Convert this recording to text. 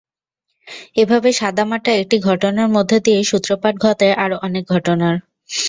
এভাবে সাদামাটা একটি ঘটনার মধ্য দিয়েই সূত্রপাত ঘটে আরও অনেক ঘটনার।